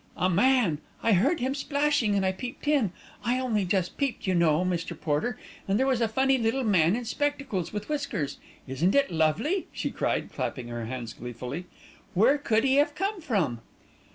"A man, I heard him splashing and I peeped in, I only just peeped, you know, Mr. Porter, and there was a funny little man in spectacles with whiskers. Isn't it lovely!" she cried, clapping her hands gleefully. "Where could he have come from?"